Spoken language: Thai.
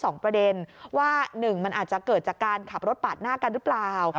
สองประเด็นว่าหนึ่งมันอาจจะเกิดจากการขับรถปาดหน้ากันหรือเปล่า